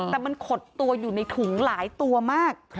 แต่มันขดตัวอยู่ในถุงหลายตัวมาก